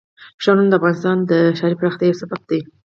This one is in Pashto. ښارونه د افغانستان د ښاري پراختیا یو سبب دی.